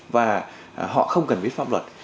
và họ không cần biết pháp luật